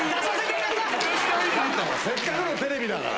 せっかくのテレビだから。